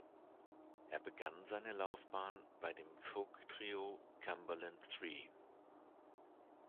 Er begann seine Laufbahn bei dem Folk-Trio "Cumberland Three".